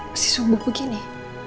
masih sumbuh begini